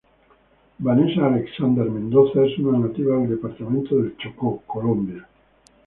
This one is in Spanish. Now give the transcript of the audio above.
Vanessa Alexandra Mendoza es una nativa del departamento del Chocó, Colombia.